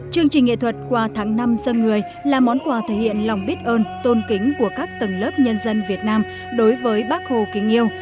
chương trình nghệ thuật qua tháng năm dân người là món quà thể hiện lòng biết ơn tôn kính của các tầng lớp nhân dân việt nam đối với bác hồ kính yêu